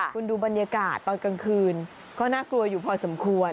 คุณดูบรรยากาศตอนกลางคืนก็น่ากลัวอยู่พอสมควร